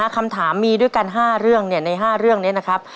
คำถามมีด้วยกัน๕เรื่องใน๕เรื่องนี้นะครับ